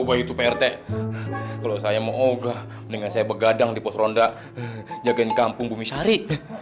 aduh pak rt kalau saya mau ogah mendingan saya begadang di pos ronda jagain kampung bumishari